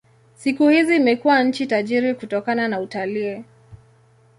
Siku hizi imekuwa nchi tajiri kutokana na utalii.